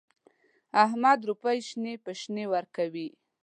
احمد روپۍ شنې په شنې ورکوي.